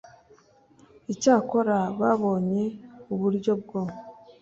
Icyakora babonye uburyo bwo